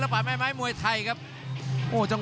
กรรมการเตือนทั้งคู่ครับ๖๖กิโลกรัม